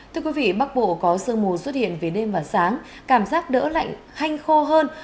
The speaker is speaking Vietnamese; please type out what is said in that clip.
thưa quý vị bắc bộ có sương mù xuất hiện về đêm và sáng cảm giác đỡ lạnh hanh khô hơn